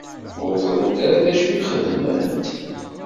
Ur ẓrint ara d acu i xedment?